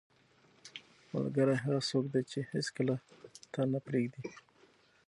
• ملګری هغه څوک دی چې هیڅکله تا نه پرېږدي.